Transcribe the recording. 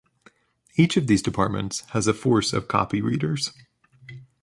Each of these departments has a force of copy-readers.